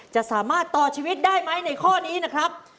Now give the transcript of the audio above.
จะสามารถต่อชีวิตได้ไหมในข้อนี้นะครับ